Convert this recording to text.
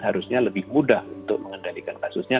harusnya lebih mudah untuk mengendalikan kasusnya